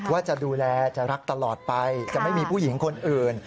ว่าจะดูแลจะรักตลอดไปจะไม่มีผู้หญิงคนอื่น